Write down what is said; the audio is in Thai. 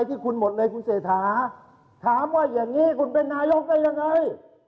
ถามว่าอย่างนี้คุณเป็นนายกได้ยังไง